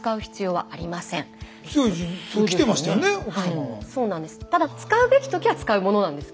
はいそうなんです。